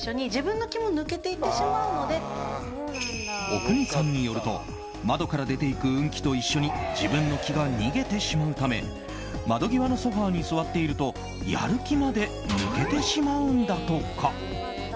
阿国さんによると窓から出ていく運気と一緒に自分の気が逃げてしまうため窓際のソファに座っているとやる気まで抜けてしまうんだとか。